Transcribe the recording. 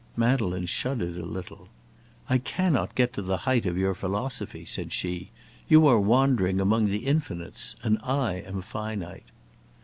Madeleine shuddered a little. "I cannot get to the height of your philosophy," said she. "You are wandering among the infinites, and I am finite."